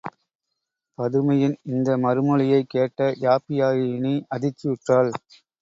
பதுமையின் இந்த மறுமொழியைக் கேட்ட யாப்பியாயினி அதிர்ச்சி யுற்றாள்.